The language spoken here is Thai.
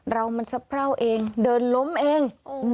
เรามันสะเพราเองเดินล้มเอง